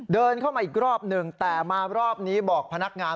เดินเข้ามาอีกรอบหนึ่งแต่มารอบนี้บอกพนักงาน